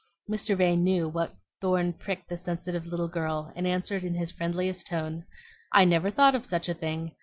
Mr. Vane knew what thorn pricked the sensitive little girl, and answered in his friendliest tone, "I never thought of such a thing.